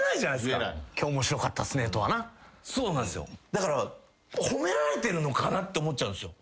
だから褒められてるのかな？と思っちゃうんですよ。